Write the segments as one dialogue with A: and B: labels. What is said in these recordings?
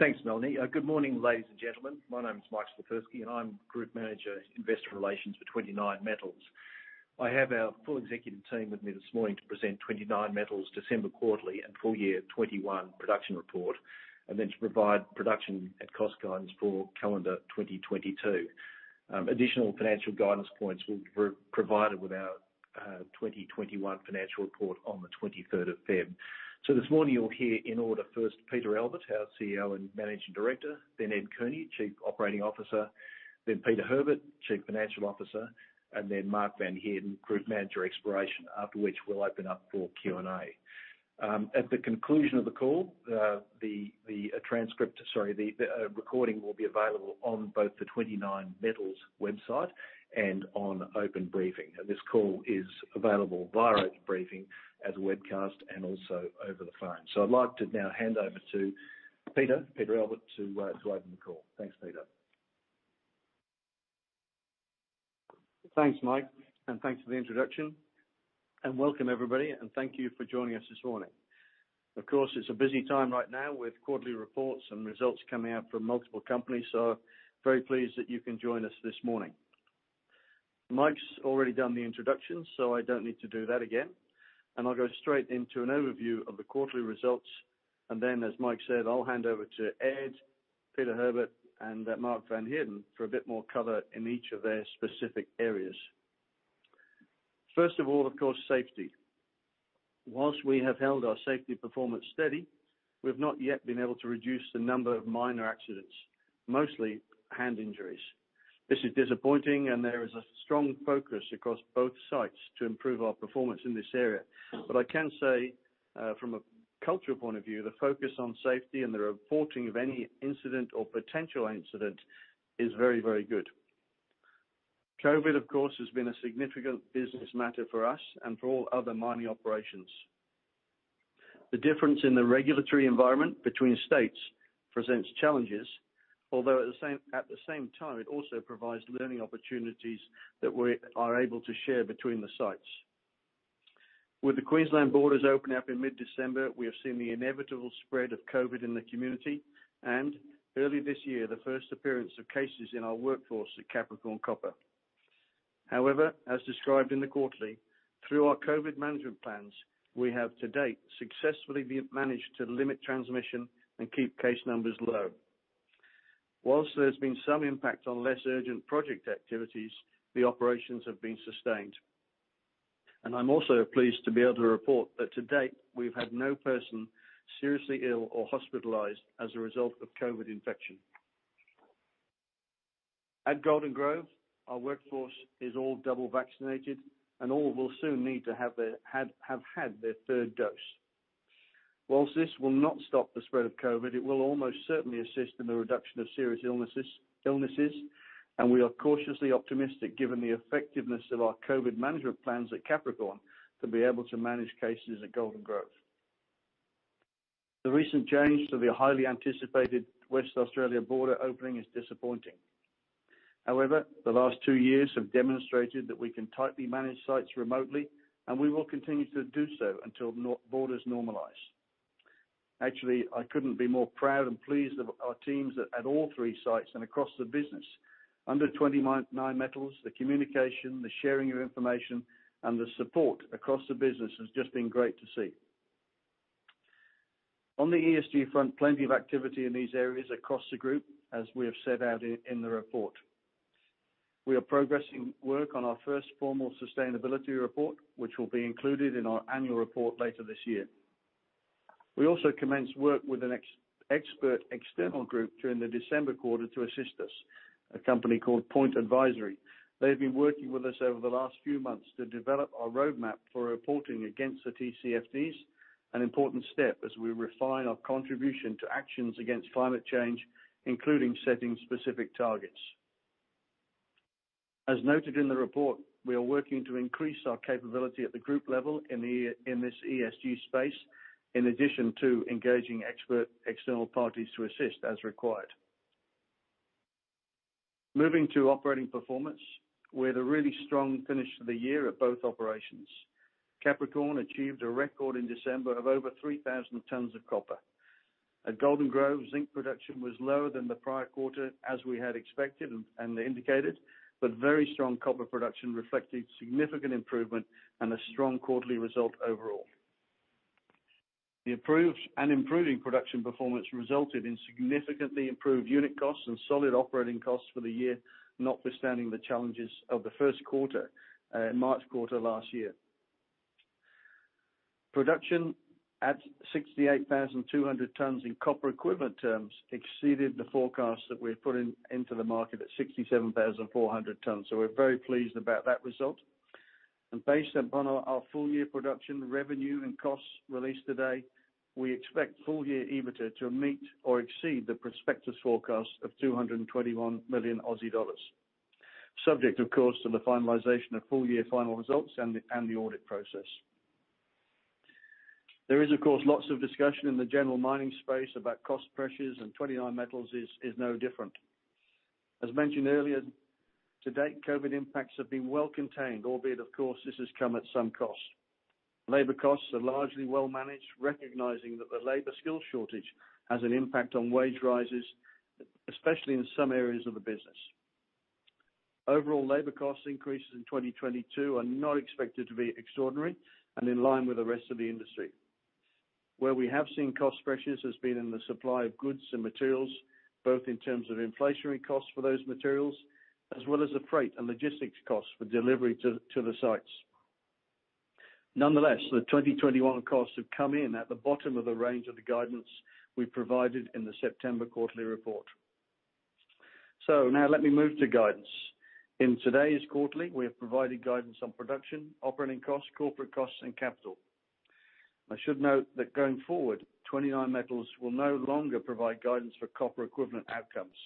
A: Thanks, Melanie. Good morning, ladies and gentlemen. My name is Mike Slifirski, and I'm Group Manager, Investor Relations for 29Metals. I have our full executive team with me this morning to present 29Metals' December quarterly and full year 2021 production report, and then to provide production and cost guidance for calendar 2022. Additional financial guidance points will be provided with our 2021 financial report on the 23rd of February. This morning you'll hear in order, first, Peter Albert, our CEO and Managing Director, then Ed Cooney, Chief Operating Officer, then Peter Herbert, Chief Financial Officer, and then Mark van Heerden, Group Manager, Exploration, after which we'll open up for Q&A. At the conclusion of the call, the recording will be available on both the 29Metals website and on Open Briefing. This call is available via Open Briefing as a webcast and also over the phone. I'd like to now hand over to Peter to open the call. Thanks, Peter.
B: Thanks, Mike, and thanks for the introduction. Welcome everybody, and thank you for joining us this morning. Of course, it's a busy time right now with quarterly reports and results coming out from multiple companies, so very pleased that you can join us this morning. Mike's already done the introduction, so I don't need to do that again. I'll go straight into an overview of the quarterly results, and then, as Mike said, I'll hand over to Ed, Peter Herbert, and Mark van Heerden for a bit more cover in each of their specific areas. First of all, of course, safety. While we have held our safety performance steady, we've not yet been able to reduce the number of minor accidents, mostly hand injuries. This is disappointing and there is a strong focus across both sites to improve our performance in this area. I can say, from a cultural point of view, the focus on safety and the reporting of any incident or potential incident is very, very good. COVID, of course, has been a significant business matter for us and for all other mining operations. The difference in the regulatory environment between states presents challenges, although at the same time, it also provides learning opportunities that we are able to share between the sites. With the Queensland borders opening up in mid-December, we have seen the inevitable spread of COVID in the community and, early this year, the first appearance of cases in our workforce at Capricorn Copper. However, as described in the quarterly, through our COVID management plans, we have to date successfully managed to limit transmission and keep case numbers low. While there's been some impact on less urgent project activities, the operations have been sustained. I'm also pleased to be able to report that to date we've had no person seriously ill or hospitalized as a result of COVID infection. At Golden Grove, our workforce is all double vaccinated and all will soon need to have had their third dose. While this will not stop the spread of COVID, it will almost certainly assist in the reduction of serious illnesses, and we are cautiously optimistic given the effectiveness of our COVID management plans at Capricorn, to be able to manage cases at Golden Grove. The recent change to the highly anticipated Western Australia border opening is disappointing. However, the last two years have demonstrated that we can tightly manage sites remotely, and we will continue to do so until borders normalize. Actually, I couldn't be more proud and pleased of our teams at all three sites and across the business. Under 29Metals, the communication, the sharing of information, and the support across the business has just been great to see. On the ESG front, plenty of activity in these areas across the group, as we have set out in the report. We are progressing work on our first formal sustainability report, which will be included in our annual report later this year. We also commenced work with an expert external group during the December quarter to assist us, a company called Point Advisory. They've been working with us over the last few months to develop our roadmap for reporting against the TCFD, an important step as we refine our contribution to actions against climate change, including setting specific targets. As noted in the report, we are working to increase our capability at the group level in this ESG space, in addition to engaging expert external parties to assist as required. Moving to operating performance, we had a really strong finish to the year at both operations. Capricorn achieved a record in December of over 3,000 tons of copper. At Golden Grove, zinc production was lower than the prior quarter, as we had expected and indicated, but very strong copper production reflected significant improvement and a strong quarterly result overall. The improved and improving production performance resulted in significantly improved unit costs and solid operating costs for the year, notwithstanding the challenges of the first quarter, March quarter last year. Production at 68,200 tons in copper equivalent terms exceeded the forecast that we had put into the market at 67,400 tons, so we're very pleased about that result. Based upon our full-year production revenue and costs released today, we expect full-year EBITDA to meet or exceed the prospectus forecast of 221 million Aussie dollars, subject of course to the finalization of full-year final results and the audit process. There is of course lots of discussion in the general mining space about cost pressures and 29Metals is no different. As mentioned earlier, to date, COVID impacts have been well contained, albeit of course, this has come at some cost. Labor costs are largely well managed, recognizing that the labor skill shortage has an impact on wage rises, especially in some areas of the business. Overall labor cost increases in 2022 are not expected to be extraordinary and in line with the rest of the industry. Where we have seen cost pressures has been in the supply of goods and materials, both in terms of inflationary costs for those materials, as well as the freight and logistics costs for delivery to the sites. Nonetheless, the 2021 costs have come in at the bottom of the range of the guidance we provided in the September quarterly report. Now, let me move to guidance. In today's quarterly, we have provided guidance on production, operating costs, corporate costs, and capital. I should note that going forward, 29Metals will no longer provide guidance for copper equivalent outcomes.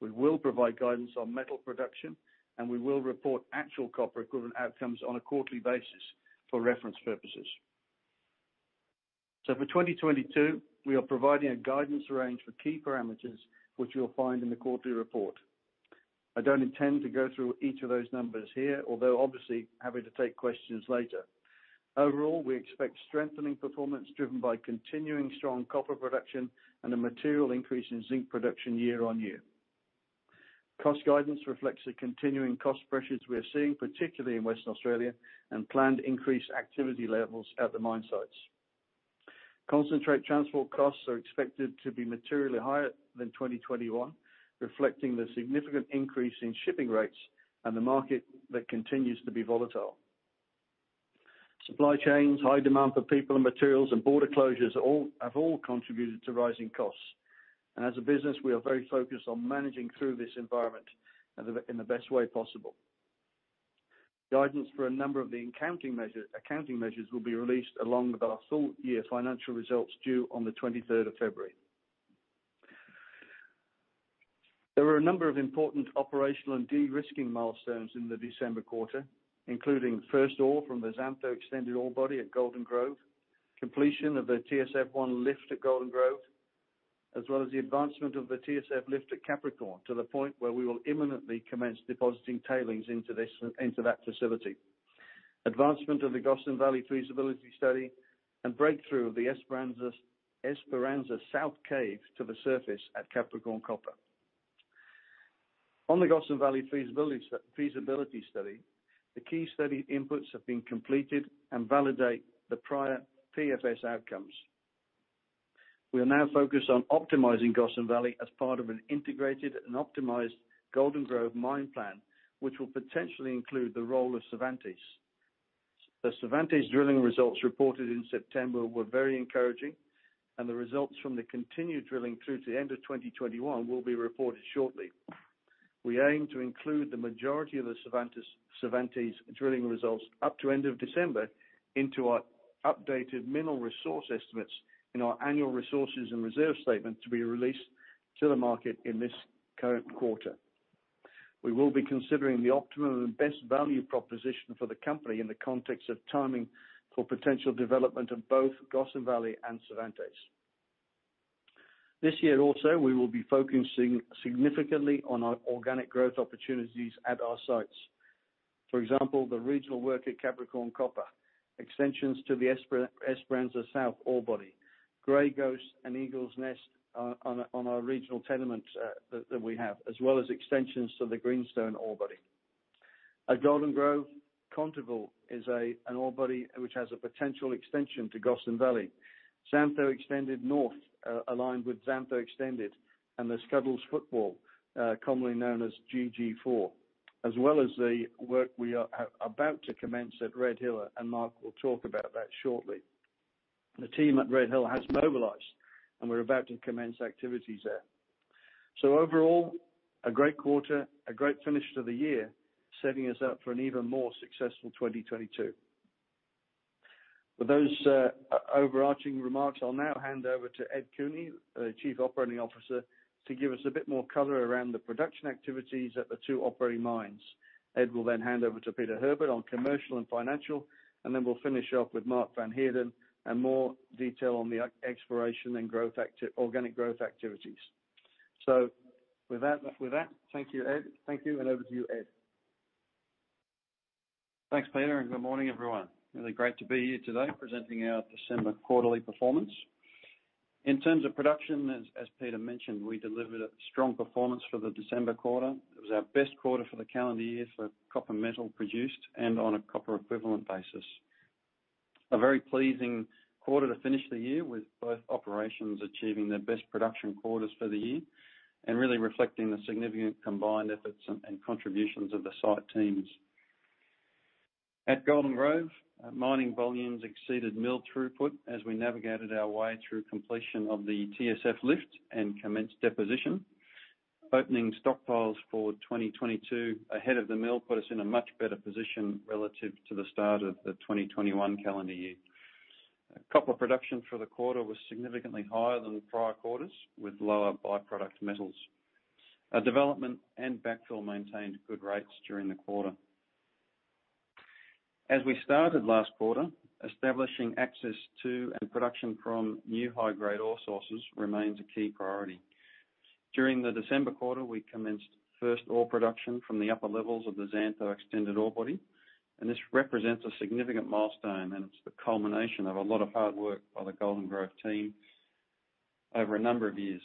B: We will provide guidance on metal production, and we will report actual copper equivalent outcomes on a quarterly basis for reference purposes. For 2022, we are providing a guidance range for key parameters which you'll find in the quarterly report. I don't intend to go through each of those numbers here, although obviously happy to take questions later. Overall, we expect strengthening performance driven by continuing strong copper production and a material increase in zinc production year on year. Cost guidance reflects the continuing cost pressures we are seeing, particularly in Western Australia, and planned increased activity levels at the mine sites. Concentrate transport costs are expected to be materially higher than 2021, reflecting the significant increase in shipping rates and the market that continues to be volatile. Supply chains, high demand for people and materials, and border closures all have contributed to rising costs. As a business, we are very focused on managing through this environment in the best way possible. Guidance for a number of the accounting measures will be released along with our full-year financial results due on the 23rd of February. There were a number of important operational and de-risking milestones in the December quarter, including first ore from the Xantho Extended orebody at Golden Grove, completion of the TSF 1 lift at Golden Grove, as well as the advancement of the TSF lift at Capricorn to the point where we will imminently commence depositing tailings into this, into that facility. Advancement of the Gossan Valley feasibility study and breakthrough of the Esperanza South cave to the surface at Capricorn Copper. On the Gossan Valley feasibility study, the key study inputs have been completed and validate the prior PFS outcomes. We are now focused on optimizing Gossan Valley as part of an integrated and optimized Golden Grove mine plan, which will potentially include the role of Cervantes. The Cervantes drilling results reported in September were very encouraging, and the results from the continued drilling through to the end of 2021 will be reported shortly. We aim to include the majority of the Cervantes drilling results up to end of December into our updated mineral resource estimates in our annual resources and reserve statement to be released to the market in this current quarter. We will be considering the optimum and best value proposition for the company in the context of timing for potential development of both Gossan Valley and Cervantes. This year also, we will be focusing significantly on our organic growth opportunities at our sites. For example, the regional work at Capricorn Copper, extensions to the Esperanza South orebody, Grey Ghost and Eagle Nest on our regional tenements that we have, as well as extensions to the Greenstone orebody. At Golden Grove, Conteville is an orebody which has a potential extension to Gossan Valley. Xantho Extended North, aligned with Xantho Extended and the Scuddles footwall, commonly known as GG4, as well as the work we are about to commence at Red Hill, and Mark will talk about that shortly. The team at Red Hill has mobilized, and we're about to commence activities there. Overall, a great quarter, a great finish to the year, setting us up for an even more successful 2022. With those overarching remarks, I'll now hand over to Ed Cooney, our Chief Operating Officer, to give us a bit more color around the production activities at the two operating mines. Ed will then hand over to Peter Herbert on commercial and financial, and then we'll finish off with Mark van Heerden and more detail on the exploration and organic growth activities. With that, thank you, Ed. Over to you, Ed.
C: Thanks, Peter, and good morning, everyone. Really great to be here today presenting our December quarterly performance. In terms of production, as Peter mentioned, we delivered a strong performance for the December quarter. It was our best quarter for the calendar year for copper metal produced, and on a copper equivalent basis. A very pleasing quarter to finish the year with both operations achieving their best production quarters for the year and really reflecting the significant combined efforts and contributions of the site teams. At Golden Grove, mining volumes exceeded mill throughput as we navigated our way through completion of the TSF lift and commenced deposition. Opening stockpiles for 2022 ahead of the mill put us in a much better position relative to the start of the 2021 calendar year. Copper production for the quarter was significantly higher than prior quarters with lower byproduct metals. Development and backfill maintained good rates during the quarter. As we stated last quarter, establishing access to and production from new high-grade ore sources remains a key priority. During the December quarter, we commenced first ore production from the upper levels of the Xantho Extended orebody, and this represents a significant milestone, and it's the culmination of a lot of hard work by the Golden Grove team over a number of years.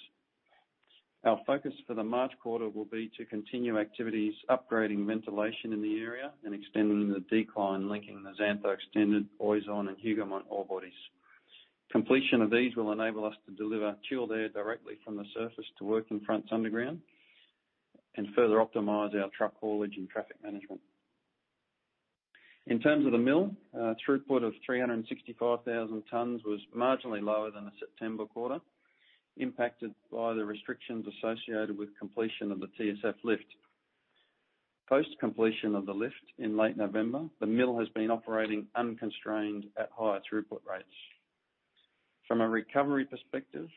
C: Our focus for the March quarter will be to continue activities, upgrading ventilation in the area, and extending the decline, linking the Xantho Extended, Oizon, and Hougoumont orebodies. Completion of these will enable us to deliver chilled air directly from the surface to working fronts underground and further optimize our truck haulage and traffic management. In terms of the mill, throughput of 365,000 tons was marginally lower than the September quarter, impacted by the restrictions associated with completion of the TSF lift. Post completion of the lift in late November, the mill has been operating unconstrained at higher throughput rates. From a recovery perspective,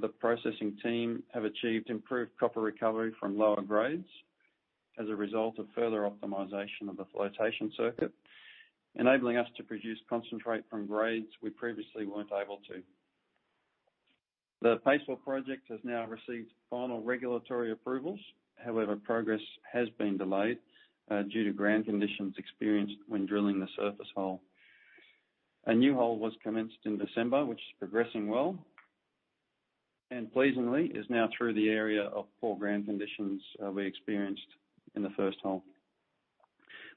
C: the processing team have achieved improved copper recovery from lower grades as a result of further optimization of the flotation circuit, enabling us to produce concentrate from grades we previously weren't able to. The paste plant project has now received final regulatory approvals. However, progress has been delayed due to ground conditions experienced when drilling the surface hole. A new hole was commenced in December, which is progressing well and pleasingly is now through the area of poor ground conditions we experienced in the first hole.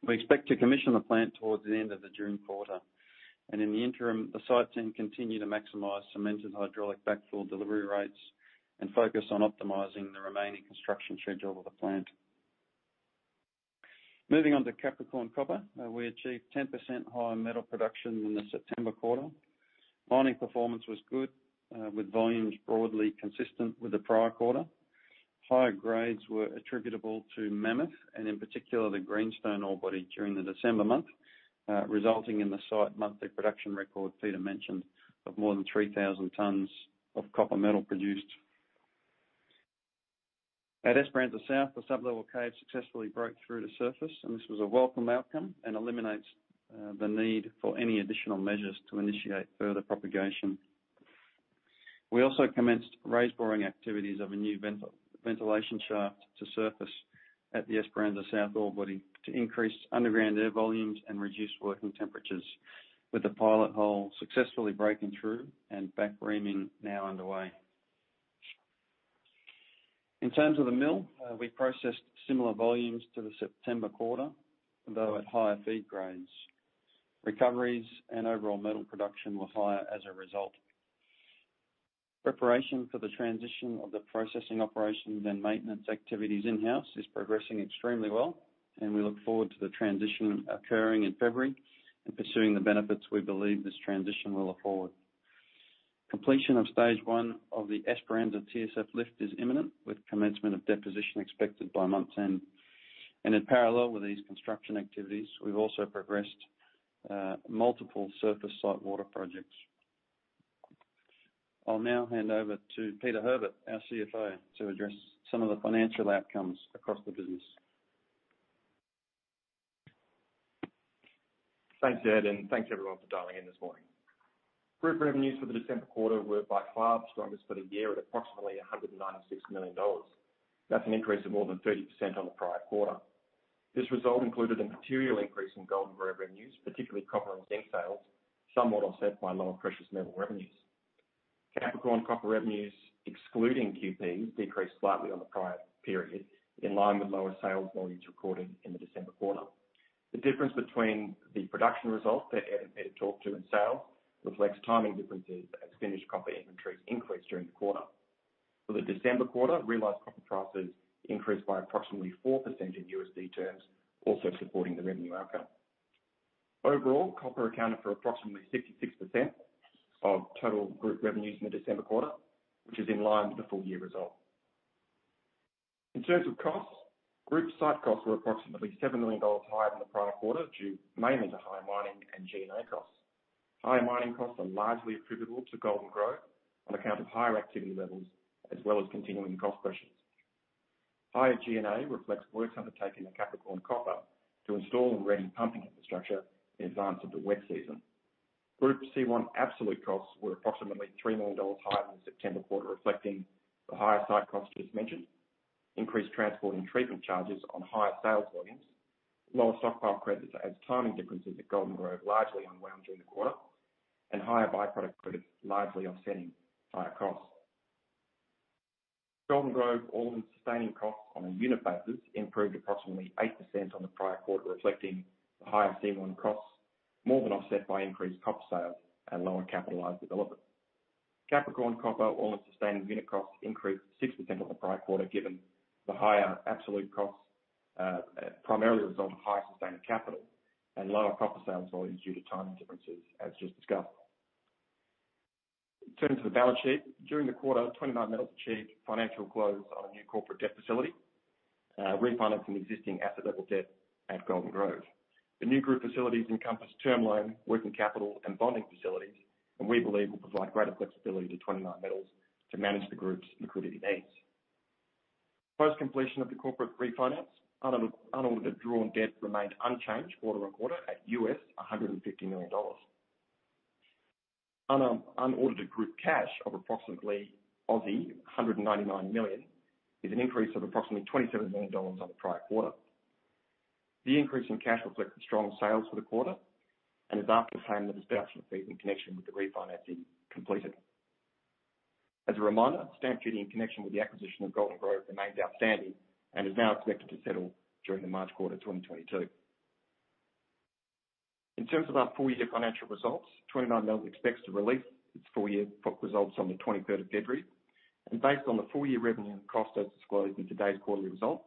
C: We expect to commission the plant towards the end of the June quarter. In the interim, the site team continue to maximize cemented hydraulic fill delivery rates and focus on optimizing the remaining construction schedule of the plant. Moving on to Capricorn Copper. We achieved 10% higher metal production than the September quarter. Mining performance was good, with volumes broadly consistent with the prior quarter. Higher grades were attributable to Mammoth, and in particular, the Greenstone orebody during the December month, resulting in the site monthly production record Peter mentioned of more than 3,000 tons of copper metal produced. At Esperanza South, the sub-level cave successfully broke through the surface, and this was a welcome outcome and eliminates the need for any additional measures to initiate further propagation. We also commenced raise boring activities of a new ventilation shaft to surface at the Esperanza South orebody to increase underground air volumes and reduce working temperatures, with the pilot hole successfully breaking through and back reaming now underway. In terms of the mill, we processed similar volumes to the September quarter, though at higher feed grades. Recoveries and overall metal production was higher as a result. Preparation for the transition of the processing operations and maintenance activities in-house is progressing extremely well, and we look forward to the transition occurring in February and pursuing the benefits we believe this transition will afford. Completion of stage one of the Esperanza TSF lift is imminent, with commencement of deposition expected by month 10. In parallel with these construction activities, we've also progressed multiple surface site water projects. I'll now hand over to Peter Herbert, our CFO, to address some of the financial outcomes across the business.
D: Thanks, Ed, and thanks, everyone, for dialing in this morning. Group revenues for the December quarter were by far the strongest for the year at approximately 196 million dollars. That's an increase of more than 30% on the prior quarter. This result included a material increase in Golden Grove revenues, particularly copper and zinc sales, somewhat offset by lower precious metal revenues. Capricorn Copper revenues, excluding QPs, decreased slightly on the prior period, in line with lower sales volumes recorded in the December quarter. The difference between the production results that Ed talked about and sales reflects timing differences as finished copper inventories increased during the quarter. For the December quarter, realized copper prices increased by approximately 4% in USD terms, also supporting the revenue outcome. Overall, copper accounted for approximately 66% of total group revenues in the December quarter, which is in line with the full-year result. In terms of costs, group site costs were approximately 7 million dollars higher than the prior quarter, due mainly to higher mining and G&A costs. Higher mining costs are largely attributable to Golden Grove on account of higher activity levels as well as continuing cost pressures. Higher G&A reflects works undertaken at Capricorn Copper to install and ready pumping infrastructure in advance of the wet season. Group C1 absolute costs were approximately 3 million dollars higher than the September quarter, reflecting the higher site costs just mentioned, increased transport and treatment charges on higher sales volumes, lower stockpile credits as timing differences at Golden Grove largely unwound during the quarter, and higher by-product credits largely offsetting higher costs. Golden Grove all-in sustaining costs on a unit basis improved approximately 8% on the prior quarter, reflecting the higher C1 costs more than offset by increased copper sales and lower capitalized development. Capricorn Copper all-in sustaining unit costs increased 6% on the prior quarter, given the higher absolute costs, primarily a result of higher sustained capital and lower copper sales volumes due to timing differences as just discussed. In terms of the balance sheet, during the quarter, 29Metals achieved financial close on a new corporate debt facility, refinancing existing asset level debt at Golden Grove. The new group facilities encompass term loan, working capital, and bonding facilities, and we believe will provide greater flexibility to 29Metals to manage the group's liquidity needs. Post completion of the corporate refinance, unaudited drawn debt remained unchanged quarter on quarter at $150 million. Unaudited group cash of approximately 199 million is an increase of approximately 27 million dollars on the prior quarter. The increase in cash reflected strong sales for the quarter and is after paying the redemption fees in connection with the refinancing completed. As a reminder, stamp duty in connection with the acquisition of Golden Grove remains outstanding and is now expected to settle during the March quarter 2022. In terms of our full year financial results, 29Metals expects to release its full year results on the 23rd of February. Based on the full year revenue and costs as disclosed in today's quarterly results,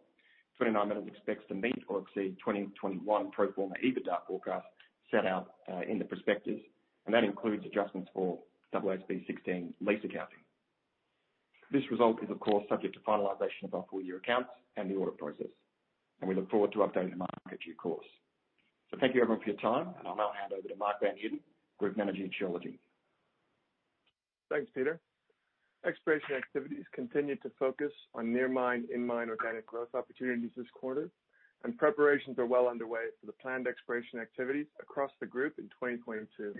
D: 29Metals expects to meet or exceed 2021 pro forma EBITDA forecast set out in the prospectus, and that includes adjustments for AASB 16 lease accounting. This result is of course subject to finalization of our full year accounts and the audit process, and we look forward to updating the market in due course. Thank you everyone for your time, and I'll now hand over to Mark van Heerden, Group Manager, Geology.
E: Thanks, Peter. Exploration activities continue to focus on near mine, in mine organic growth opportunities this quarter, and preparations are well underway for the planned exploration activities across the group in 2022.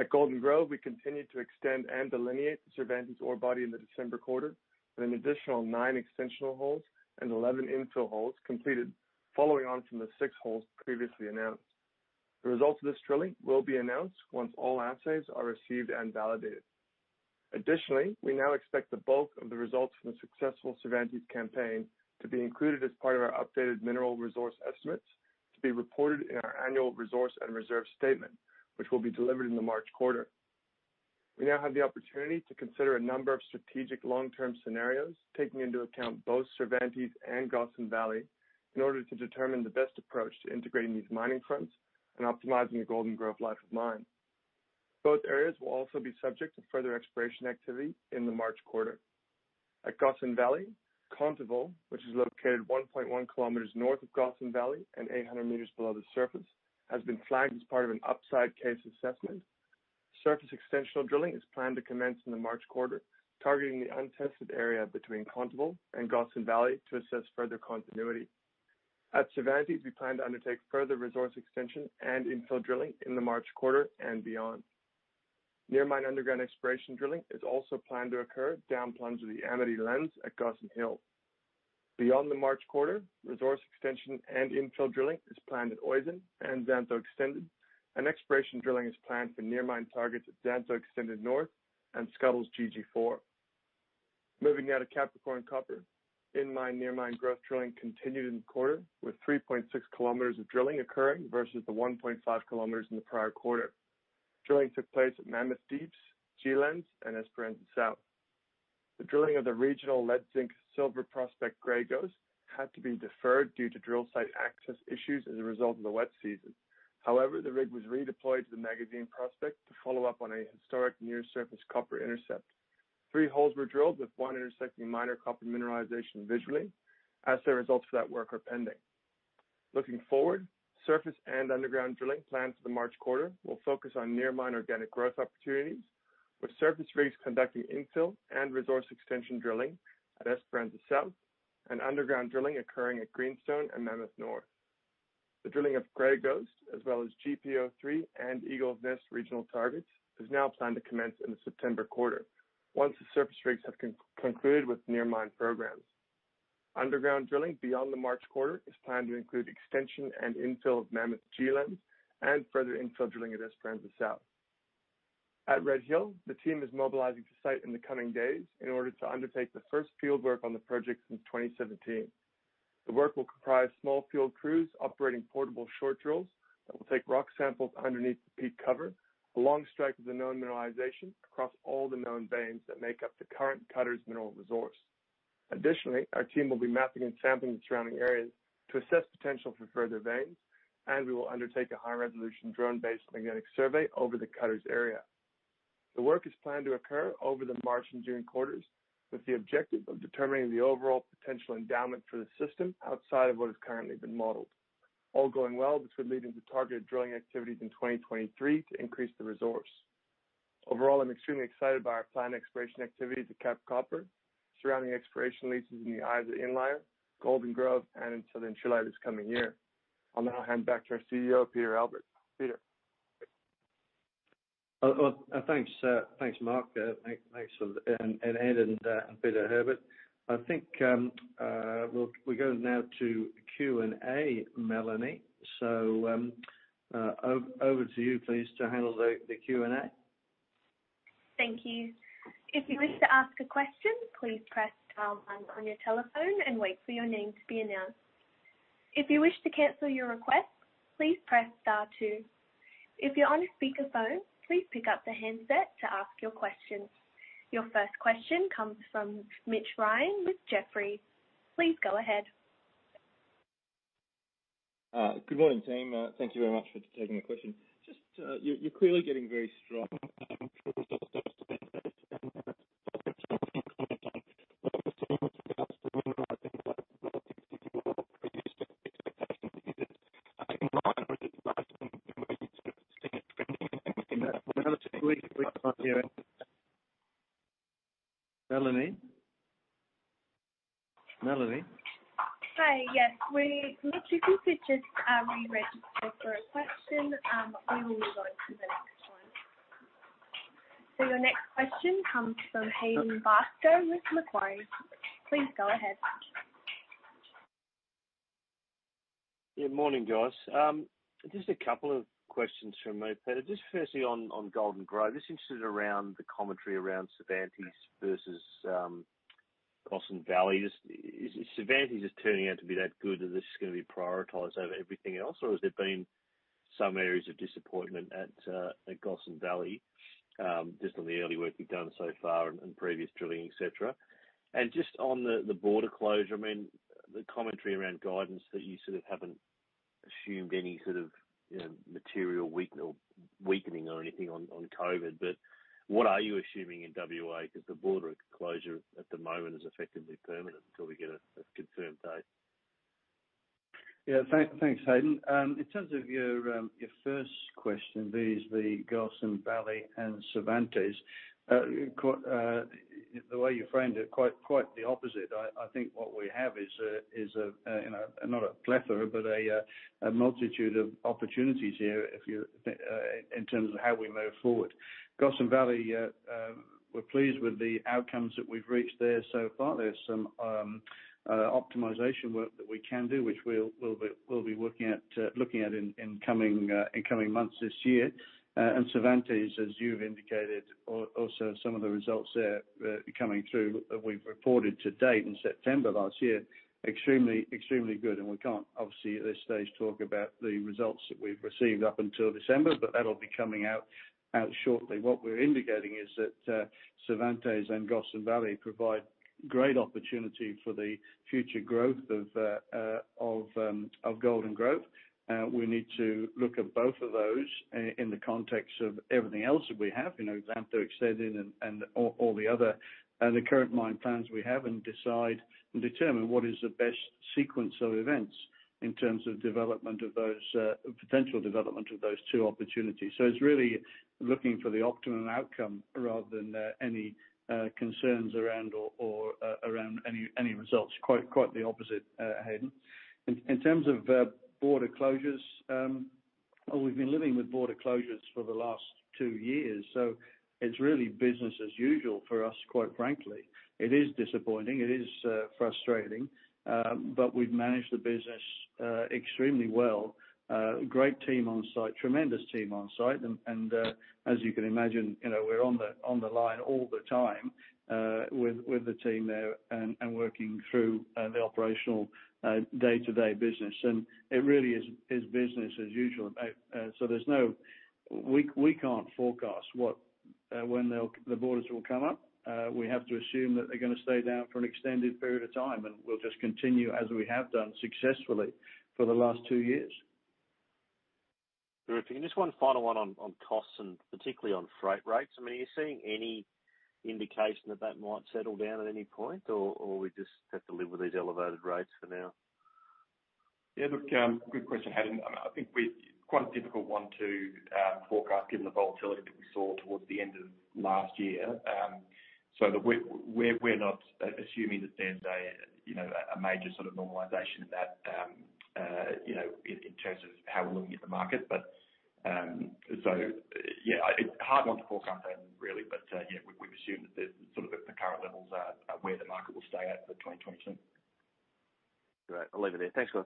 E: At Golden Grove, we continued to extend and delineate Cervantes orebody in the December quarter, with an additional nine extensional holes and 11 infill holes completed following on from the six holes previously announced. The results of this drilling will be announced once all assays are received and validated. Additionally, we now expect the bulk of the results from the successful Cervantes campaign to be included as part of our updated mineral resource estimates to be reported in our annual resource and reserve statement, which will be delivered in the March quarter. We now have the opportunity to consider a number of strategic long-term scenarios, taking into account both Cervantes and Gossan Valley, in order to determine the best approach to integrating these mining fronts and optimizing the Golden Grove life of mine. Both areas will also be subject to further exploration activity in the March quarter. At Gossan Valley, Conteville, which is located 1.1 km north of Gossan Valley and 800 m below the surface, has been flagged as part of an upside case assessment. Surface extensional drilling is planned to commence in the March quarter, targeting the untested area between Conteville and Gossan Valley to assess further continuity. At Cervantes, we plan to undertake further resource extension and infill drilling in the March quarter and beyond. Near mine underground exploration drilling is also planned to occur down plunge of the Amity lens at Gossan Hill. Beyond the March quarter, resource extension and infill drilling is planned at Oizon and Xantho Extended, and exploration drilling is planned for near-mine targets at Xantho Extended North and Scuddles GG4. Moving now to Capricorn Copper. In-mine, near-mine growth drilling continued in the quarter, with 3.6 km of drilling occurring versus the 1.5 km in the prior quarter. Drilling took place at Mammoth Deeps, G-Lens, and Esperanza South. The drilling of the regional lead-zinc-silver prospect, Grey Ghost, had to be deferred due to drill site access issues as a result of the wet season. However, the rig was redeployed to the Magazine prospect to follow up on a historic near-surface copper intercept. Three holes were drilled, with one intersecting minor copper mineralization visually as the results for that work are pending. Looking forward, surface and underground drilling planned for the March quarter will focus on near mine organic growth opportunities, with surface rigs conducting infill and resource extension drilling at Esperanza South and underground drilling occurring at Greenstone and Mammoth North. The drilling of Grey Ghost, as well as GPO-3 and Eagle Nest regional targets, is now planned to commence in the September quarter once the surface rigs have concluded with near mine programs. Underground drilling beyond the March quarter is planned to include extension and infill of Mammoth G-Lens and further infill drilling at Esperanza South. At Red Hill, the team is mobilizing to site in the coming days in order to undertake the first field work on the project since 2017. The work will comprise small field crews operating portable short drills that will take rock samples underneath the peak cover, along strike with the known mineralization across all the known veins that make up the current Cutters mineral resource. Additionally, our team will be mapping and sampling the surrounding areas to assess potential for further veins, and we will undertake a high-resolution drone-based magnetic survey over the Cutters area. The work is planned to occur over the March and June quarters, with the objective of determining the overall potential endowment for the system outside of what has currently been modeled. All going well, this would lead into target drilling activities in 2023 to increase the resource. Overall, I'm extremely excited by our planned exploration activity to Capricorn Copper, surrounding exploration leases in the Isa Inlier, Golden Grove, and in Southern Chile this coming year. I'll now hand back to our CEO, Peter Albert. Peter?
B: Well, thanks, Mark. Thanks, Ed Cooney, and Peter Herbert. I think we go now to Q&A, Melanie. Over to you, please, to handle the Q&A.
F: Your first question comes from Mitch Ryan with Jefferies. Please go ahead.
G: Good morning, team. Thank you very much for taking the question. Just, you're clearly getting very strong results to date. I was wondering what the team looks at to mineralizing like-
B: Melanie?
F: Hi. Yes, if you could just re-register for a question, we will move on to the next one. Your next question comes from Hayden Bairstow with Macquarie. Please go ahead.
H: Good morning, guys. Just a couple of questions from me, Peter. Just firstly on Golden Grove, interested around the commentary around Cervantes versus Gossan Valley. Is Cervantes just turning out to be that good that this is gonna be prioritized over everything else? Or has there been some areas of disappointment at Gossan Valley just on the early work we've done so far and previous drilling, et cetera? Just on the border closure, I mean, the commentary around guidance that you sort of haven't assumed any sort of, you know, material weakening or anything on COVID. But what are you assuming in WA? 'Cause the border closure at the moment is effectively permanent until we get a confirmed date.
B: Yeah. Thanks, Hayden. In terms of your first question, there is the Gossan Valley and Cervantes. The way you framed it, quite the opposite. I think what we have is a you know not a plethora but a multitude of opportunities here if you in terms of how we move forward. Gossan Valley, we're pleased with the outcomes that we've reached there so far. There's some optimization work that we can do, which we'll be working at looking at in coming months this year. Cervantes, as you've indicated, also some of the results there coming through that we've reported to date in September last year, extremely good. We can't obviously at this stage talk about the results that we've received up until December, but that'll be coming out shortly. What we're indicating is that, Cervantes and Gossan Valley provide great opportunity for the future growth of Golden Grove. We need to look at both of those in the context of everything else that we have, you know, Xantho Extended and all the other the current mine plans we have and decide and determine what is the best sequence of events in terms of development of those potential development of those two opportunities. It's really looking for the optimum outcome rather than any concerns around or around any results. Quite the opposite, Hayden. In terms of border closures, well, we've been living with border closures for the last two years, so it's really business as usual for us, quite frankly. It is disappointing. It is frustrating. We've managed the business extremely well. Great team on site, tremendous team on site. As you can imagine, you know, we're on the line all the time with the team there and working through the operational day-to-day business. It really is business as usual. We can't forecast when the borders will come up. We have to assume that they're gonna stay down for an extended period of time, and we'll just continue as we have done successfully for the last two years.
H: Terrific. Just one final one on costs and particularly on freight rates. I mean, are you seeing any indication that that might settle down at any point or we just have to live with these elevated rates for now?
D: Yeah, look, good question, Hayden. I think it's quite a difficult one to forecast given the volatility that we saw towards the end of last year. We're not assuming that there's a you know, a major sort of normalization in that you know, in terms of how we're looking at the market. Yeah, it's a hard one to forecast, Hayden, really. Yeah, we've assumed that the sort of current levels are where the market will play out for 2022.
H: Great. I'll leave it there. Thanks, guys.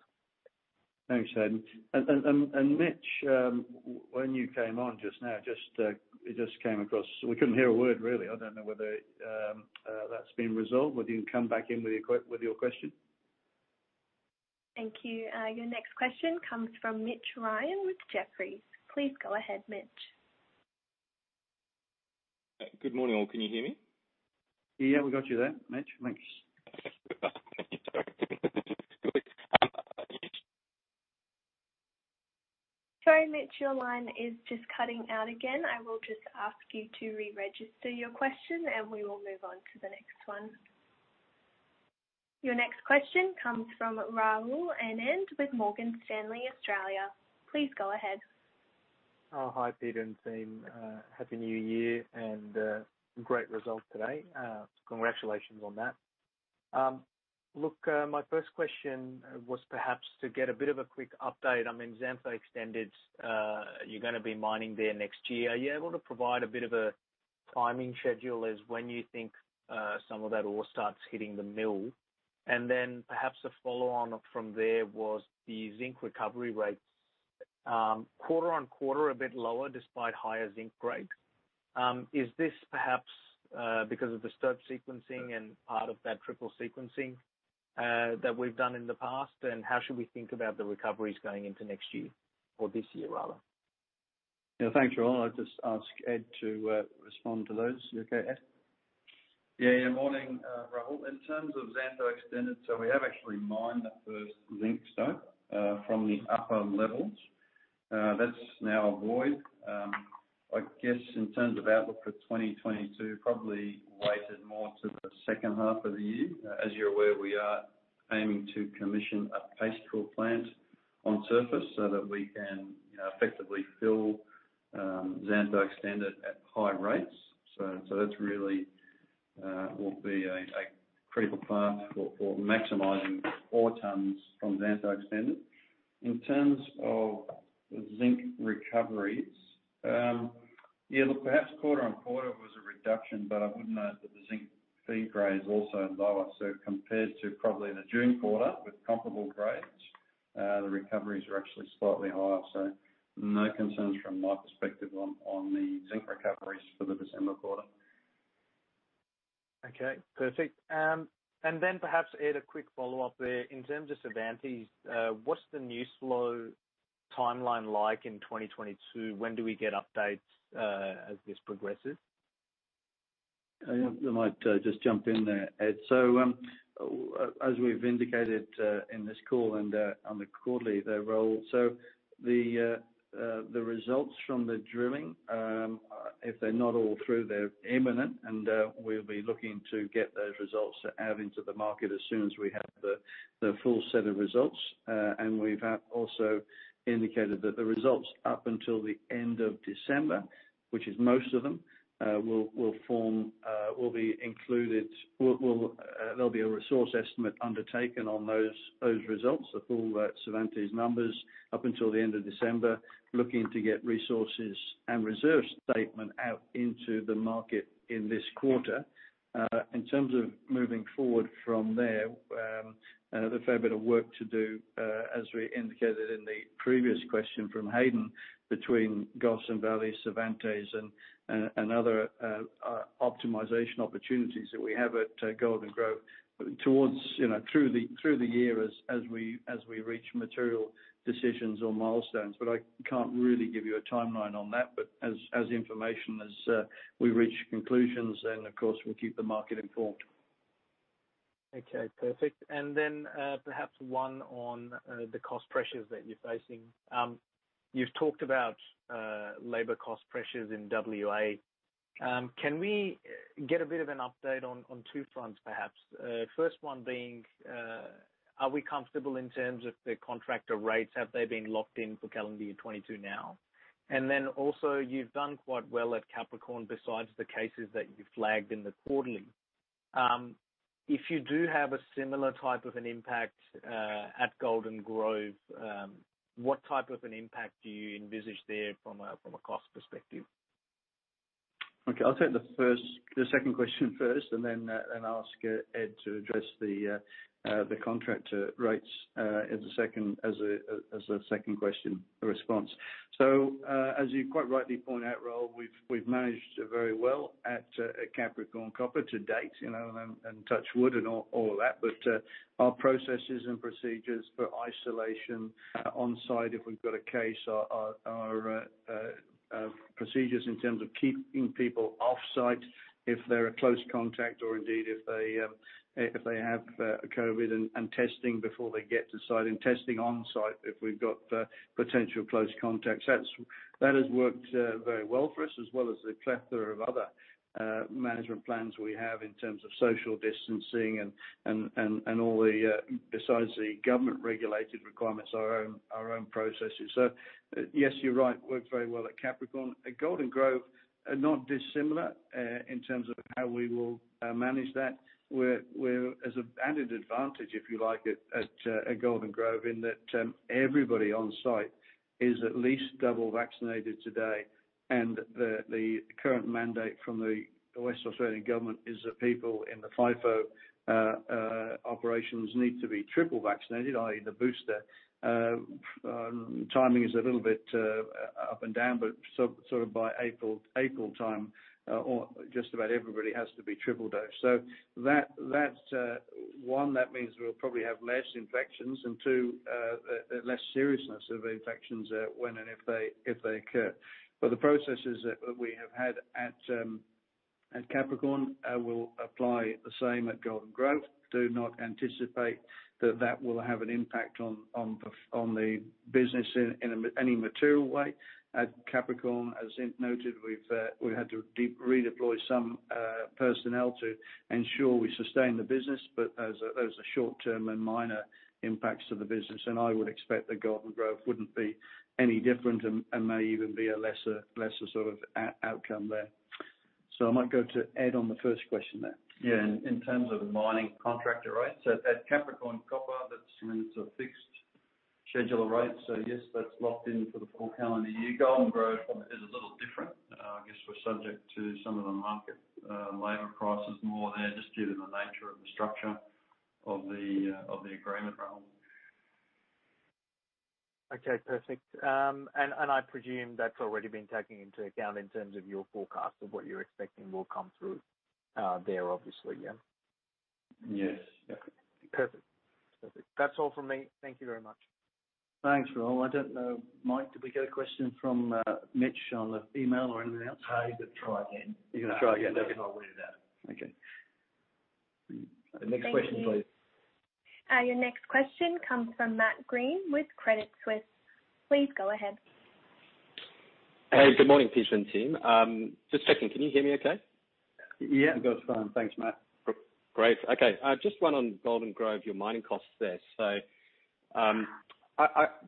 B: Thanks, Hayden. Mitch, when you came on just now, it just came across. We couldn't hear a word really. I don't know whether that's been resolved. Would you come back in with your question?
F: Thank you. Your next question comes from Mitch Ryan with Jefferies. Please go ahead, Mitch.
G: Good morning, all. Can you hear me?
B: Yeah, we got you there, Mitch. Thanks.
F: Sorry, Mitch, your line is just cutting out again. I will just ask you to re-register your question, and we will move on to the next one. Your next question comes from Rahul Anand with Morgan Stanley Australia. Please go ahead.
I: Oh, hi, Peter and team. Happy New Year and great result today. Congratulations on that. Look, my first question was perhaps to get a bit of a quick update. I mean, Xantho Extended, you're gonna be mining there next year. Are you able to provide a bit of a timing schedule as when you think some of that ore starts hitting the mill? And then perhaps a follow-on from there was the zinc recovery rates, quarter-on-quarter, a bit lower despite higher zinc grade. Is this perhaps because of disturbed sequencing and part of that triple sequencing that we've done in the past? And how should we think about the recoveries going into next year or this year rather?
B: Yeah. Thanks, Rahul. I'll just ask Ed to respond to those. You okay, Ed?
C: Morning, Rahul. In terms of Xantho Extended, we have actually mined the first ore from the upper levels. That's now void. I guess in terms of outlook for 2022, probably weighted more to the second half of the year. As you're aware, we are aiming to commission a paste plant. On surface so that we can effectively fill Xantho Extended at high rates. That's really will be a critical path for maximizing ore tons from Xantho Extended. In terms of the zinc recoveries, yeah, look, perhaps quarter-on-quarter was a reduction, but I wouldn't note that the zinc feed grade is also lower. Compared to probably in the June quarter with comparable grades, the recoveries are actually slightly higher, so no concerns from my perspective on the zinc recoveries for the December quarter.
I: Okay, perfect. Perhaps, Ed, a quick follow-up there. In terms of Cervantes, what's the new flow timeline like in 2022? When do we get updates, as this progresses?
B: I think I might just jump in there, Ed. As we've indicated in this call and on the quarterly, the results from the drilling, if they're not all through, they're imminent, and we'll be looking to get those results out into the market as soon as we have the full set of results. And we've also indicated that the results up until the end of December, which is most of them, will be included. There'll be a resource estimate undertaken on those results, the full Cervantes numbers up until the end of December. Looking to get resources and reserve statement out into the market in this quarter. In terms of moving forward from there's a fair bit of work to do, as we indicated in the previous question from Hayden between Gossan Valley, Cervantes and other optimization opportunities that we have at Golden Grove towards, you know, through the year as we reach material decisions or milestones. But I can't really give you a timeline on that. But as information, as we reach conclusions then, of course, we'll keep the market informed.
I: Okay, perfect. Then, perhaps one on the cost pressures that you're facing. You've talked about labor cost pressures in WA. Can we get a bit of an update on two fronts, perhaps? First one being, are we comfortable in terms of the contractor rates? Have they been locked in for calendar year 2022 now? Then also, you've done quite well at Capricorn besides the cases that you flagged in the quarterly. If you do have a similar type of an impact at Golden Grove, what type of an impact do you envisage there from a cost perspective?
B: Okay, I'll take the second question first and then ask Ed to address the contractor rates as a second question or response. As you quite rightly point out, Rahul, we've managed very well at Capricorn Copper to date, you know, and touch wood and all that. Our processes and procedures for isolation on-site if we've got a case are procedures in terms of keeping people off-site if they're a close contact or indeed if they have COVID and testing before they get to site and testing on-site if we've got potential close contacts. That has worked very well for us, as well as the plethora of other management plans we have in terms of social distancing and all the besides the government regulated requirements, our own processes. Yes, you're right, it worked very well at Capricorn. At Golden Grove, not dissimilar in terms of how we will manage that. As an added advantage, if you like, at Golden Grove, in that everybody on site is at least double vaccinated today. The current mandate from the West Australian government is that people in the FIFO operations need to be triple vaccinated, i.e. the booster. Timing is a little bit up and down, but sort of by April time, or just about everybody has to be triple dosed. That means we'll probably have less infections, and two, less seriousness of infections, when and if they occur. The processes that we have had at Capricorn, we'll apply the same at Golden Grove. Do not anticipate that will have an impact on the business in any material way. At Capricorn, as Ed noted, we had to redeploy some personnel to ensure we sustain the business, but those are short term and minor impacts to the business. I would expect that Golden Grove wouldn't be any different and may even be a lesser sort of outcome there. I might go to Ed on the first question there.
C: In terms of mining contractor rates, at Capricorn Copper, that's limited to a fixed scheduler rate. Yes, that's locked in for the full calendar year. Golden Grove is a little different. I guess we're subject to some of the market labor prices more there, just given the nature of the structure of the agreement, Rahul.
I: Okay, perfect. And I presume that's already been taken into account in terms of your forecast of what you're expecting will come through, there, obviously, yeah?
C: Yes.
I: Perfect. That's all from me. Thank you very much.
B: Thanks, Rahul. I don't know, Mike, did we get a question from Mitch on the email or anything else?
A: No, he's gonna try again.
B: He's gonna try again.
A: That's how we do that.
B: Okay. Next question, please.
F: Thank you. Your next question comes from Matt Greene with Credit Suisse. Please go ahead.
J: Hey, good morning, Peter and team. Just checking, can you hear me okay?
B: Yeah, good. Fine. Thanks, Matt.
J: Great. Okay. Just one on Golden Grove, your mining costs there.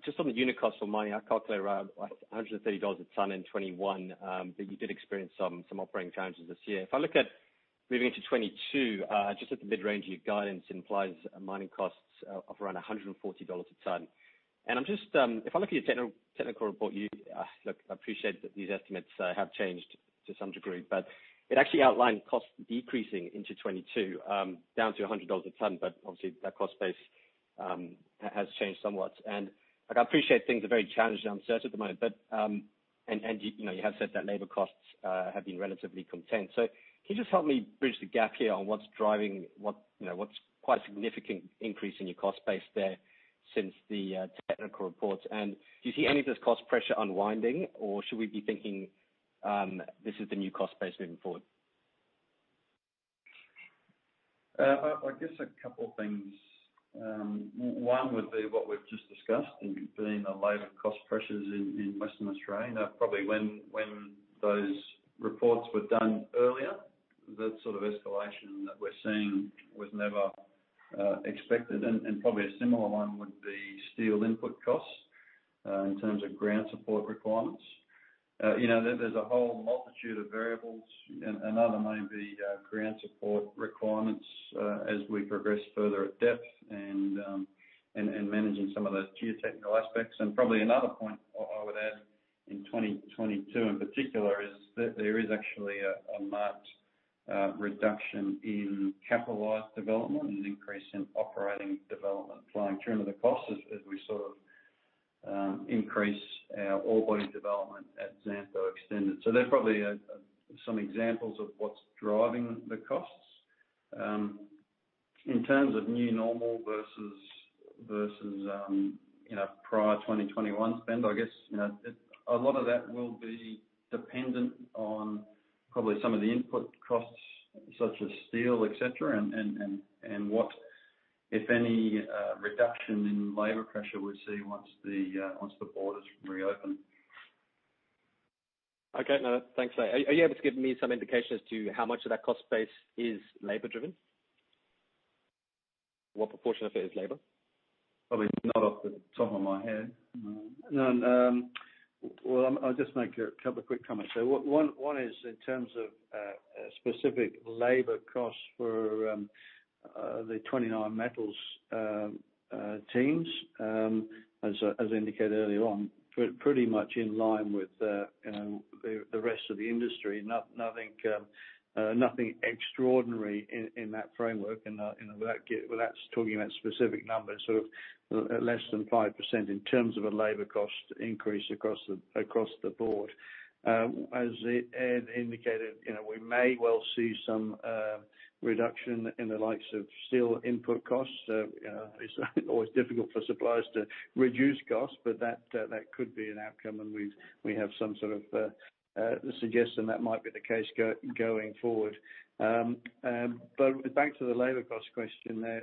J: Just on the unit cost of mining, I calculate around, like, 130 dollars a ton in 2021, but you did experience some operating challenges this year. If I look at moving into 2022, just at the mid-range, your guidance implies mining costs of around 140 dollars a ton. I'm just, if I look at your technical report, I appreciate that these estimates have changed to some degree, but it actually outlined costs decreasing into 2022, down to 100 dollars a ton. Obviously that cost base has changed somewhat. Look, I appreciate things are very challenged and uncertain at the moment, but you know, you have said that labor costs have been relatively contained. Can you just help me bridge the gap here on what's driving what, you know, what's quite a significant increase in your cost base there since the technical reports? Do you see any of this cost pressure unwinding, or should we be thinking this is the new cost base moving forward?
C: I guess a couple things. One would be what we've just discussed, being the labor cost pressures in Western Australia. Probably when those reports were done earlier, that sort of escalation that we're seeing was never expected. Probably a similar one would be steel input costs in terms of ground support requirements. You know, there's a whole multitude of variables. Another may be ground support requirements as we progress further at depth and managing some of the geotechnical aspects. Probably another point I would add in 2022, in particular, is that there is actually a marked reduction in capitalized development and an increase in operating development flowing through into the costs as we sort of increase our orebody development at Xantho Extended. They're probably some examples of what's driving the costs. In terms of new normal versus you know prior 2021 spend, I guess you know a lot of that will be dependent on probably some of the input costs such as steel et cetera and what if any reduction in labor pressure we see once the borders reopen.
J: Okay. No, thanks. Are you able to give me some indication as to how much of that cost base is labor driven? What proportion of it is labor?
C: Probably not off the top of my head. No.
B: No. Well, I'll just make a couple quick comments. One is in terms of specific labor costs for the 29Metals teams, as I indicated earlier on, pretty much in line with, you know, the rest of the industry. Nothing extraordinary in that framework. You know, without talking about specific numbers, sort of less than 5% in terms of a labor cost increase across the board. As Ed indicated, you know, we may well see some reduction in the likes of steel input costs. It's always difficult for suppliers to reduce costs, but that could be an outcome, and we have some sort of suggestion that might be the case going forward. Back to the labor cost question there,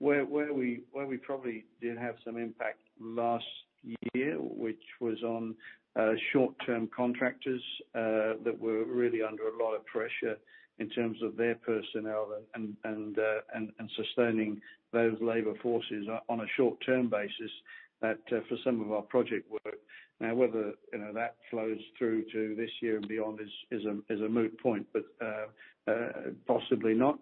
B: where we probably did have some impact last year, which was on short-term contractors that were really under a lot of pressure in terms of their personnel and sustaining those labor forces on a short-term basis that for some of our project work. Now, whether you know that flows through to this year and beyond is a moot point, but possibly not.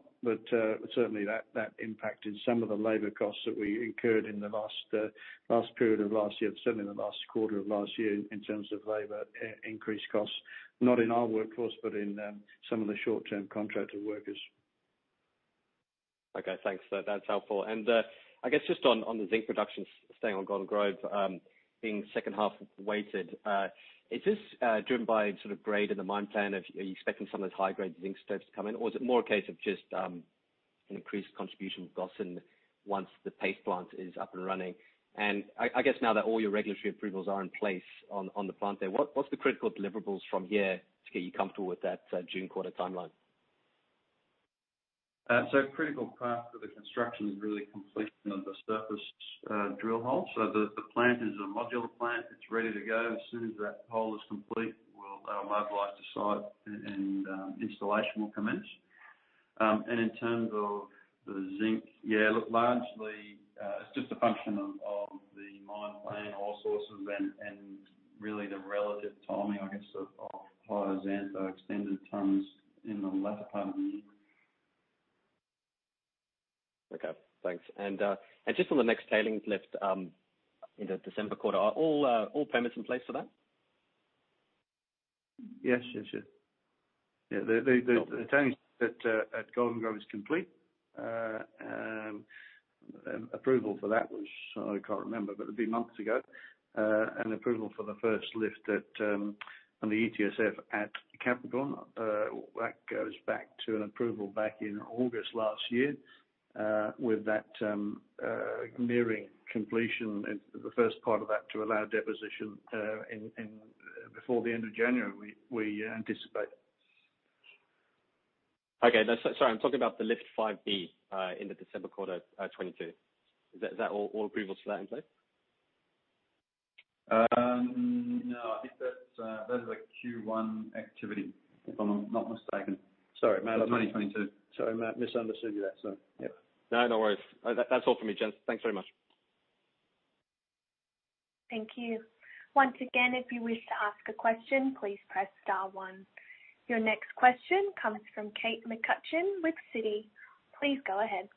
B: Certainly that impacted some of the labor costs that we incurred in the last period of last year, certainly in the last quarter of last year, in terms of labor increased costs, not in our workforce, but in some of the short-term contractor workers.
J: Okay, thanks. That's helpful. I guess just on the zinc production, staying on Golden Grove, being second half weighted, is this driven by sort of grade in the mine plan? Are you expecting some of those high-grade zinc strips to come in? Or is it more a case of just an increased contribution with Gossan once the paste plant is up and running? I guess now that all your regulatory approvals are in place on the plant there, what's the critical deliverables from here to get you comfortable with that June quarter timeline?
C: Critical path for the construction is really completion of the surface drill hole. The plant is a modular plant. It's ready to go. As soon as that hole is complete, we'll mobilize to site and installation will commence. In terms of the zinc, largely it's just a function of the mine plan, ore sources, and really the relative timing of higher Xantho Extended tons in the latter part of the year.
J: Okay, thanks. Just on the next tailings lift in the December quarter, are all permits in place for that?
B: Yeah. The tailings at Golden Grove is complete. Approval for that was, I can't remember, but it'd be months ago. Approval for the first lift on the ETSF at Capricorn goes back to an approval back in August last year, with that nearing completion and the first part of that to allow deposition before the end of January, we anticipate.
J: No, sorry, I'm talking about the Lift 5B in the December quarter 2022. Is that all approvals for that in place?
B: No, I think that is a Q1 activity, if I'm not mistaken. Sorry, Matt. Of 2022. Sorry, Matt, I misunderstood you there, so. Yep.
J: No, no worries. That's all for me, gents. Thanks very much.
F: Thank you. Once again, if you wish to ask a question, please press star one. Your next question comes from Kate McCutcheon with Citi. Please go ahead.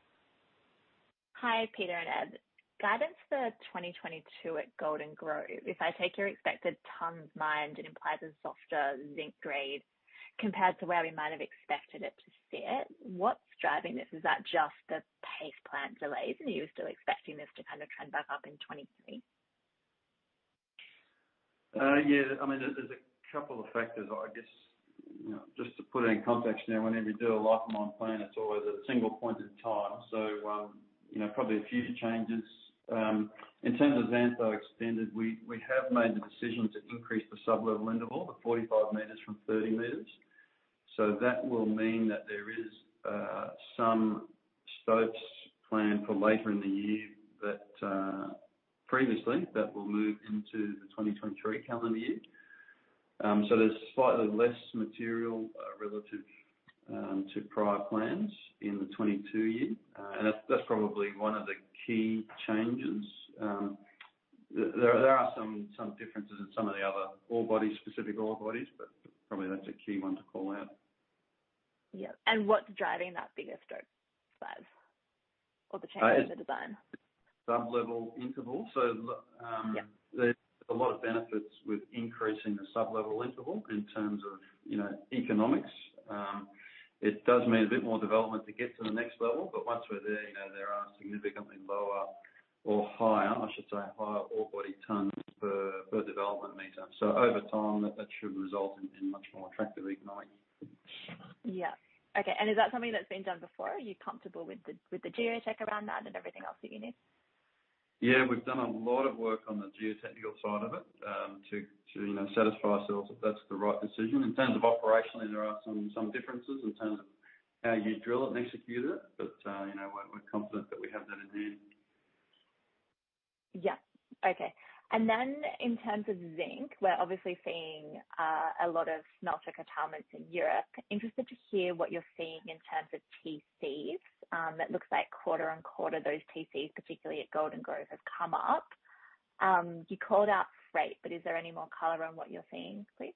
K: Hi, Peter and Ed. Guidance for 2022 at Golden Grove. If I take your expected tonnes mined, it implies a softer zinc grade compared to where we might have expected it to sit. What's driving this? Is that just the paste plant delays? Are you still expecting this to kind of trend back up in 2023?
C: I mean, there's a couple of factors. I guess, you know, just to put it in context now, whenever you do a life of mine plan, it's always a single point in time. You know, probably a few changes. In terms of Xantho Extended, we have made the decision to increase the sublevel interval to 45 m from 30 m. That will mean that there is some stopes planned for later in the year that previously will move into the 2023 calendar year. So there's slightly less material relative to prior plans in the 2022 year. That's probably one of the key changes. There are some differences in some of the other ore bodies, specific ore bodies, but probably that's a key one to call out.
K: Yeah. What's driving that bigger stope size or the change in the design?
C: Sublevel interval.
K: Yeah.
C: There's a lot of benefits with increasing the sublevel interval in terms of, you know, economics. It does mean a bit more development to get to the next level, but once we're there, you know, there are significantly lower or higher, I should say, higher orebody tons per development meter. Over time, that should result in much more attractive AISC.
K: Yeah. Okay. Is that something that's been done before? Are you comfortable with the geotech around that and everything else that you need?
B: Yeah. We've done a lot of work on the geotechnical side of it, to, you know, satisfy ourselves if that's the right decision. In terms of operationally, there are some differences in terms of how you drill it and execute it, but you know, we're confident that we have that in hand.
K: Yeah. Okay. In terms of zinc, we're obviously seeing a lot of smelter curtailments in Europe. I'm interested to hear what you're seeing in terms of TCs. It looks like quarter-on-quarter, those TCs, particularly at Golden Grove, have come up. You called out freight, but is there any more color on what you're seeing, please?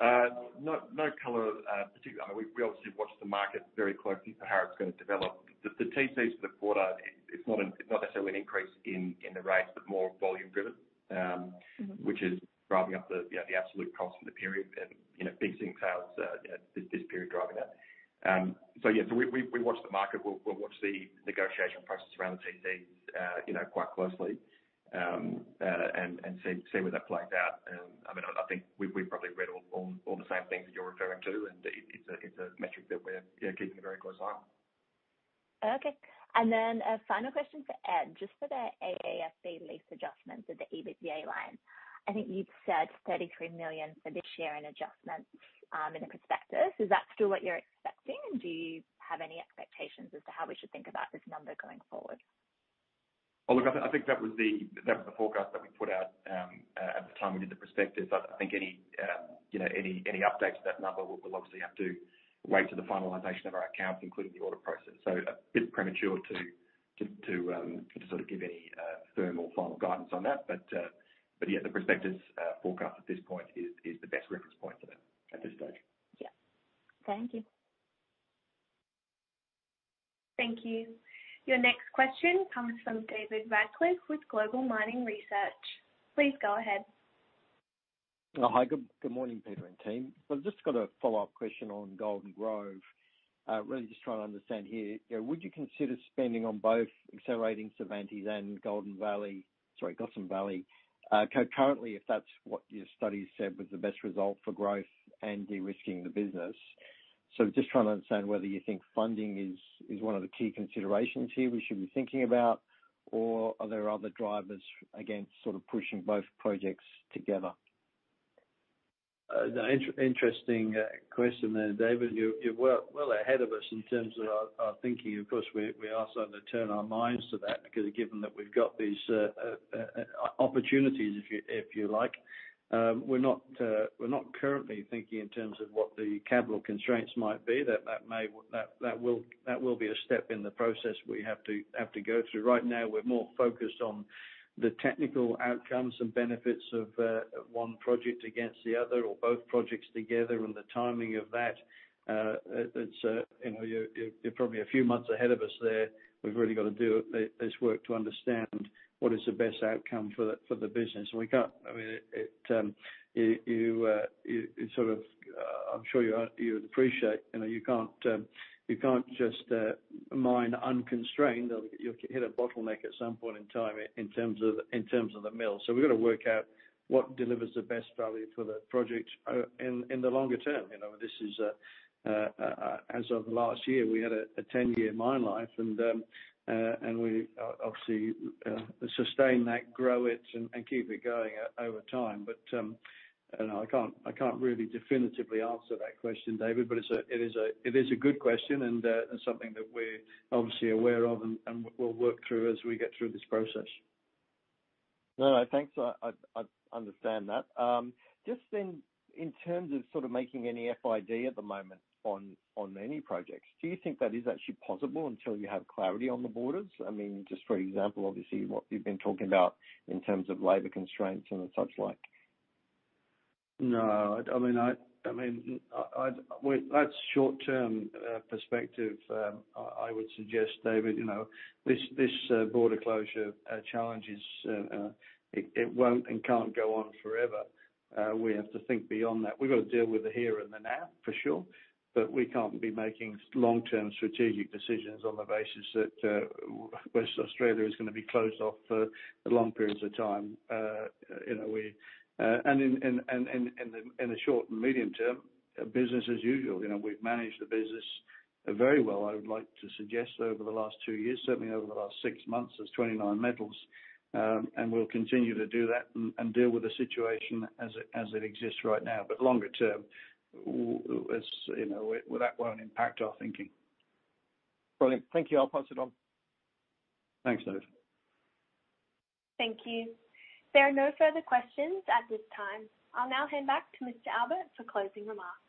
D: No color, particularly. I mean, we obviously watch the market very closely for how it's gonna develop. The TCs for the quarter. It's not necessarily an increase in the rates, but more volume driven.
K: Mm-hmm.
D: Which is driving up the absolute cost for the period and fixed sales this period driving that. We watch the market. We'll watch the negotiation process around the TCs quite closely and see where that plays out. I mean, I think we probably read all the same things that you're referring to, and it's a metric that we're keeping a very close eye on.
K: Okay. A final question for Ed, just for the AASB lease adjustments of the EBITDA line. I think you've said 33 million for this year in adjustments, in the prospectus. Is that still what you're expecting? Do you have any expectations as to how we should think about this number going forward?
D: Oh, look, I think that was the forecast that we put out at the time we did the prospectus. I don't think any, you know, updates to that number. We'll obviously have to wait till the finalization of our accounts, including the audit process. A bit premature to sort of give any firm or final guidance on that. Yeah, the prospectus forecast at this point is the best reference point for that at this stage.
K: Yeah. Thank you.
F: Thank you. Your next question comes from David Radclyffe with Global Mining Research. Please go ahead.
L: Hi. Good morning, Peter and team. I've just got a follow-up question on Golden Grove. Really just trying to understand here. You know, would you consider spending on both accelerating Cervantes and Golden Valley, sorry, Gossan Valley, concurrently, if that's what your study said was the best result for growth and de-risking the business? Just trying to understand whether you think funding is one of the key considerations here we should be thinking about, or are there other drivers against sort of pushing both projects together?
B: Interesting question there, David. You're well ahead of us in terms of our thinking. Of course, we are starting to turn our minds to that because given that we've got these opportunities, if you like, we're not currently thinking in terms of what the capital constraints might be. That will be a step in the process we have to go through. Right now, we're more focused on the technical outcomes and benefits of one project against the other or both projects together and the timing of that. It's you know, you're probably a few months ahead of us there. We've really got to do this work to understand what is the best outcome for the business. We can't. I mean, sort of, I'm sure you would appreciate, you know, you can't just mine unconstrained or you'll hit a bottleneck at some point in time in terms of the mill. We've got to work out what delivers the best value for the project in the longer term. You know, this is as of last year, we had a 10-year mine life, and we obviously sustain that, grow it, and keep it going over time. I can't really definitively answer that question, David, but it is a good question and something that we're obviously aware of and we'll work through as we get through this process.
L: No, no, thanks. I understand that. Just then, in terms of sort of making any FID at the moment on any projects, do you think that is actually possible until you have clarity on the borders? I mean, just for example, obviously, what you've been talking about in terms of labor constraints and such like.
B: No. I mean, that's short-term perspective. I would suggest, David, you know, this border closure challenge won't and can't go on forever. We have to think beyond that. We've got to deal with the here and the now, for sure, but we can't be making long-term strategic decisions on the basis that Western Australia is gonna be closed off for long periods of time. You know, in the short and medium term, business as usual. You know, we've managed the business very well, I would like to suggest, over the last two years, certainly over the last six months, as 29Metals. We'll continue to do that and deal with the situation as it exists right now. Longer term, you know, well, that won't impact our thinking.
L: Brilliant. Thank you. I'll pass it on.
B: Thanks, David.
F: Thank you. There are no further questions at this time. I'll now hand back to Mr. Albert for closing remarks.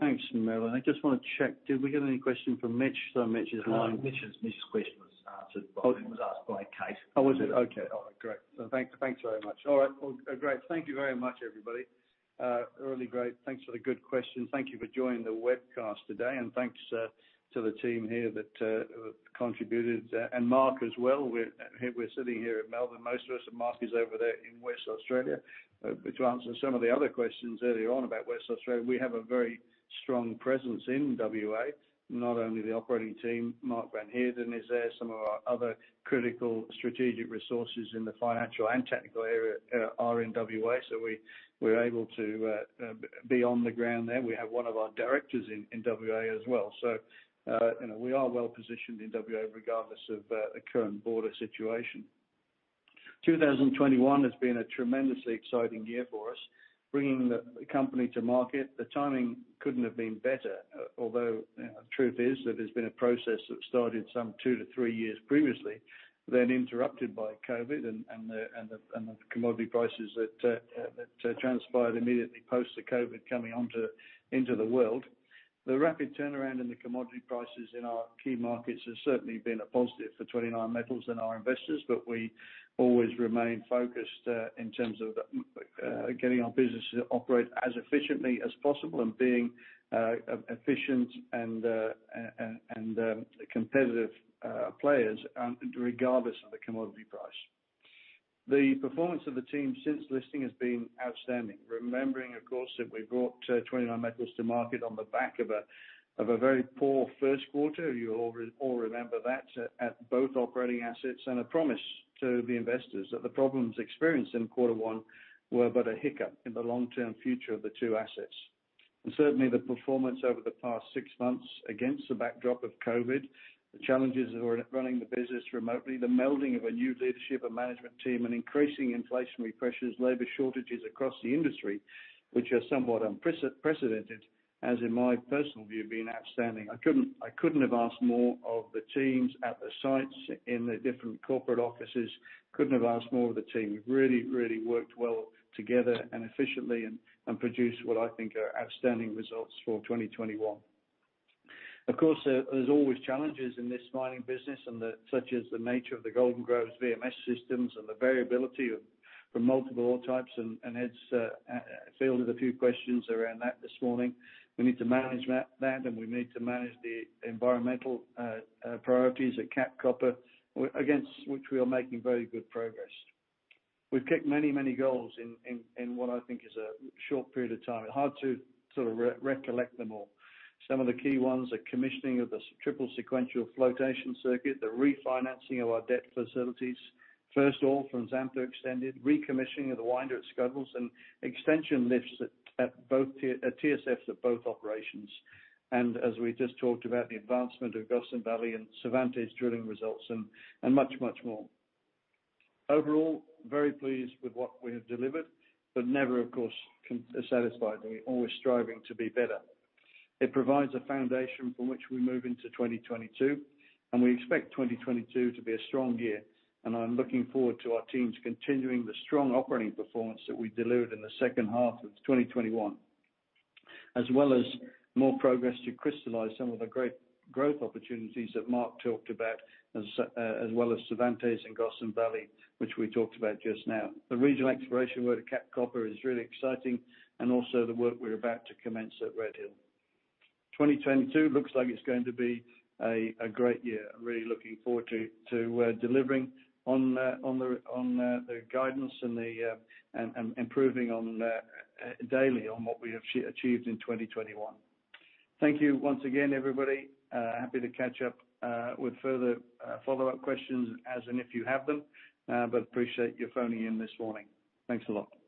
B: Thanks, Marilyn. I just wanna check, did we get any question from Mitch? Mitch is online.
D: No, Mitch's question was answered by
B: Oh.
D: It was asked by Kate.
B: Oh, was it? Okay. Oh, great. Thanks very much. All right. Well, great. Thank you very much, everybody. Really great. Thanks for the good questions. Thank you for joining the webcast today, and thanks to the team here that contributed. Mark as well. We're sitting here in Melbourne, most of us, and Mark is over there in Western Australia. To answer some of the other questions earlier on about Western Australia, we have a very strong presence in WA, not only the operating team, Mark van Heerden is there, some of our other critical strategic resources in the financial and technical area are in WA, so we're able to be on the ground there. We have one of our directors in WA as well. You know, we are well-positioned in WA regardless of the current border situation. 2021 has been a tremendously exciting year for us, bringing the company to market. The timing couldn't have been better. Although, you know, the truth is that it's been a process that started some two to three years previously, then interrupted by COVID and the commodity prices that transpired immediately post the COVID coming into the world. The rapid turnaround in the commodity prices in our key markets has certainly been a positive for 29Metals and our investors, but we always remain focused in terms of getting our business to operate as efficiently as possible and being efficient and competitive players regardless of the commodity price. The performance of the team since listing has been outstanding. Remembering, of course, that we brought 29Metals to market on the back of a very poor first quarter. You all remember that at both operating assets and a promise to the investors that the problems experienced in quarter one were but a hiccup in the long-term future of the two assets. Certainly the performance over the past six months against the backdrop of COVID, the challenges of running the business remotely, the melding of a new leadership and management team, and increasing inflationary pressures, labor shortages across the industry, which are somewhat unprecedented, has, in my personal view, been outstanding. I couldn't have asked more of the teams at the sites in the different corporate offices. Couldn't have asked more of the team. We've really worked well together and efficiently and produced what I think are outstanding results for 2021. Of course, there are always challenges in this mining business and such as the nature of the Golden Grove's VMS systems and the variability from multiple ore types and Ed's fielded a few questions around that this morning. We need to manage that and we need to manage the environmental priorities at Capricorn Copper, against which we are making very good progress. We've kicked many goals in what I think is a short period of time. Hard to sort of recollect them all. Some of the key ones are commissioning of the triple sequential flotation circuit, the refinancing of our debt facilities, first ore from Xantho Extended, recommissioning of the winder at Scuddles and extension lifts at both TSFs at both operations. As we just talked about, the advancement of Gossan Valley and Cervantes drilling results and much more. Overall, very pleased with what we have delivered, but never of course satisfied. We're always striving to be better. It provides a foundation from which we move into 2022, and we expect 2022 to be a strong year. I'm looking forward to our teams continuing the strong operating performance that we delivered in the second half of 2021, as well as more progress to crystallize some of the great growth opportunities that Mark talked about, as well as Cervantes and Gossan Valley, which we talked about just now. The regional exploration work at Capricorn Copper is really exciting and also the work we're about to commence at Red Hill. 2022 looks like it's going to be a great year. I'm really looking forward to delivering on the guidance and improving on what we have achieved in 2021. Thank you once again, everybody. Happy to catch up with further follow-up questions as and if you have them. Appreciate you phoning in this morning. Thanks a lot.